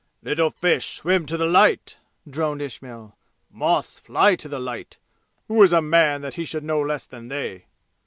"Little fish swim to the light!" droned Ismail. "Moths fly to the light! Who is a man that he should know less than they?"